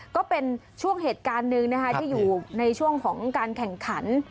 ก็เป็นช่วงเหตุการณ์หนึ่งนะคะที่อยู่ในช่วงของการแข่งขัน